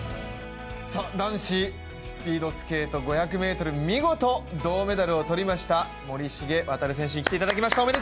男子スピードスケート５００ｍ見事、銅メダルを取りました森重航選手に来ていただきました。